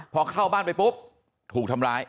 พอเข้าบ้านไปปุ๊บถูกทำร้าย